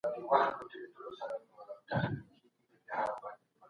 ولې صابر شاه کابلي د احمد شاه ابدالي ملاتړ وکړ؟